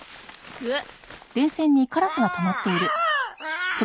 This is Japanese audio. うわっ！